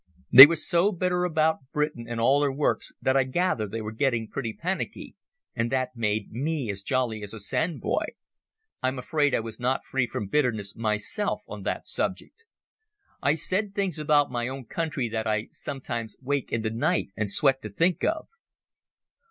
They were so bitter about Britain and all her works that I gathered they were getting pretty panicky, and that made me as jolly as a sandboy. I'm afraid I was not free from bitterness myself on that subject. I said things about my own country that I sometimes wake in the night and sweat to think of.